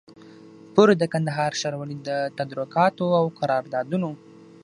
پوري د کندهار ښاروالۍ د تدارکاتو او قراردادونو